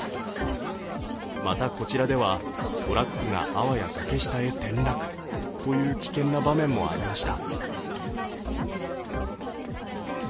また、こちらではトラックがあわや崖下へ転落という危険な場面もありました。